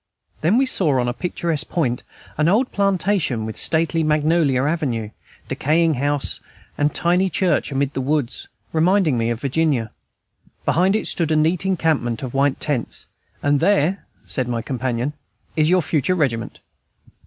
Then we saw on a picturesque point an old plantation, with stately magnolia avenue, decaying house, and tiny church amid the woods, reminding me of Virginia; behind it stood a neat encampment of white tents, "and there," said my companion, "is your future regiment."